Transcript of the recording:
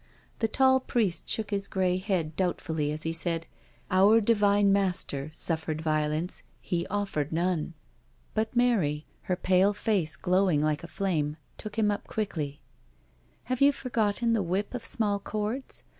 The tall priest shook his grey head doubtfully as he said: "Our Divine Master suffered violence, He offered none." IN THE PUNISHMENT CELL 285 But Mary, her pale face glowing like a flame, took him up quickly: " Have you forgotten the whip of small cords?